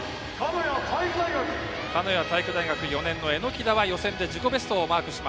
鹿屋体育大学の榎田は予選で自己ベストをマーク。